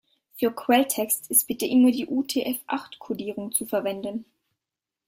Für Quelltext ist bitte immer die UTF-acht-Kodierung zu verwenden.